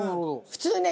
普通ね